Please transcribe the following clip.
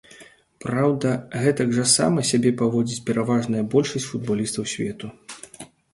Праўда, гэтак жа сама сябе паводзіць пераважная большасць футбалістаў свету.